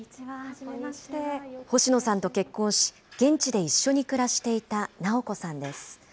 星野さんと結婚し、現地で一緒に暮らしていた直子さんです。